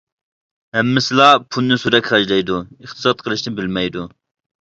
ھەممىسىلا پۇلنى سۇدەك خەجلەيدۇ، ئىقتىساد قىلىشنى بىلمەيدۇ.